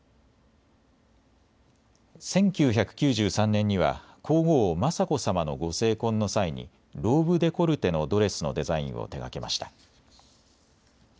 １９９３年には皇后、雅子さまのご成婚の際にローブ・デコルテのドレスのデザインを手がけました。